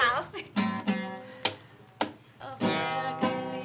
janganlah terlalu bersehari